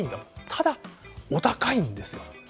ただ、お高いんです。